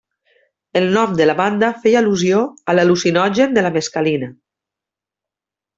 El nom de la banda feia al·lusió a l'al·lucinogen de la mescalina.